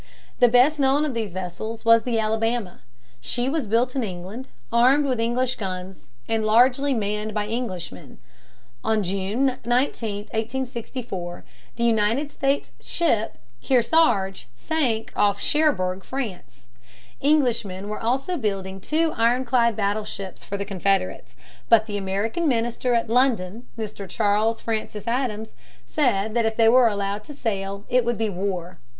The best known of these vessels was the Alabama. She was built in England, armed with English guns, and largely manned by Englishmen. On June 19, 1864, the United States ship Kearsarge sank her off Cherbourg, France. Englishmen were also building two ironclad battleships for the Confederates. But the American minister at London, Mr. Charles Francis Adams, said that if they were allowed to sail, it would be "war."